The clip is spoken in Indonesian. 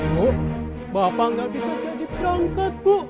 bu bapak gak bisa jadi perangkat bu